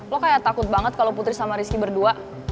lo kayak takut banget kalau putri sama rizky berdua